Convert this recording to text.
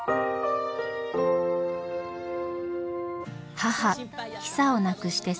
母ヒサを亡くして３年。